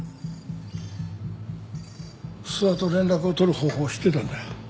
諏訪と連絡を取る方法を知ってたんだ。